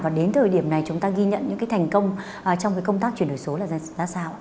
và đến thời điểm này chúng ta ghi nhận những cái thành công trong cái công tác chuyển đổi số là ra sao